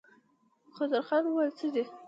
خسرو خان وويل: څه دي؟